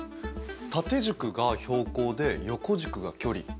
縦軸が標高で横軸が距離。